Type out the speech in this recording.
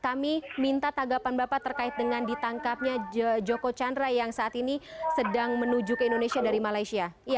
kami minta tanggapan bapak terkait dengan ditangkapnya joko chandra yang saat ini sedang menuju ke indonesia dari malaysia